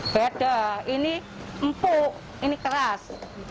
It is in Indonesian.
beda ini empuk ini keras